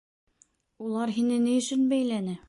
— Улар һине ни өсөн бәйләне?